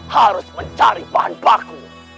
harus mencari bahan baku